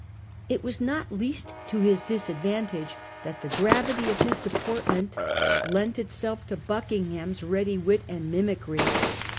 It was not least to his disadvantage that the gravity of his deportment lent itself to Buckingham's ready wit and mimicry.